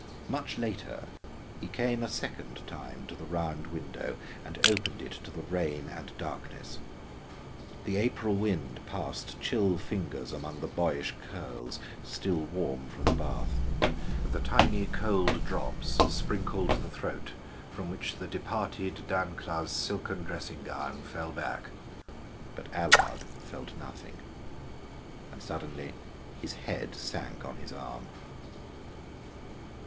Much later he came a second time to the round window and opened it to the rain and darkness. The April wind passed chill fingers among the boyish curls still warm from the bath, the tiny cold drops sprinkled the throat from which the departed Dancla's silken dressing gown fell back, but Allard felt nothing. And suddenly his head sank on his arm.